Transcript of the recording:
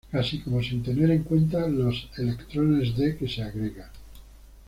Casi como sin tener en cuenta los electrones D que se agrega.